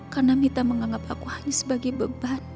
karena mita menganggap aku hanya sebagai beban